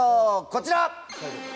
こちら。